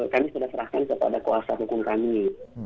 kami sudah serahkan kepada kuasa hukum kami